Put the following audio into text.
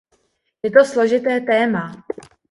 Je to složité téma.